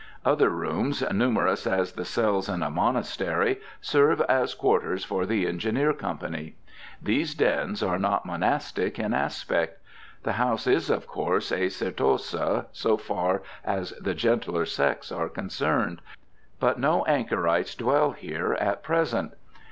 Other rooms, numerous as the cells in a monastery, serve as quarters for the Engineer Company. These dens are not monastic in aspect. The house is, of course, a Certosa, so far as the gentler sex are concerned; but no anchorites dwell here at present.